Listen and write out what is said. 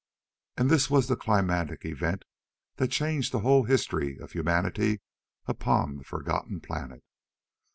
And this was the climactic event that changed the whole history of humanity upon the forgotten planet.